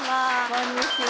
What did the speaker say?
こんにちは。